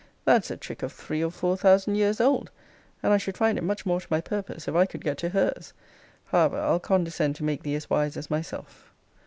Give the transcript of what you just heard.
That's a trick of three or four thousand years old; and I should find it much more to my purpose, if I could get to her's. However, I'll condescend to make thee as wise as myself.